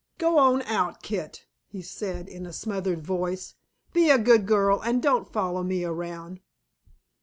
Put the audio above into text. "Go on out, Kit," he said, in a smothered voice. "Be a good girl and don't follow me around."